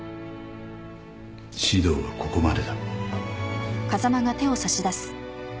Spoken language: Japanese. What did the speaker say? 指導はここまでだ。